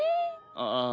ああ。